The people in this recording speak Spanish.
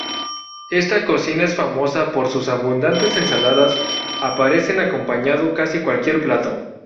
Esta cocina es famosa por sus abundantes ensaladas, aparecen acompañando casi cualquier plato.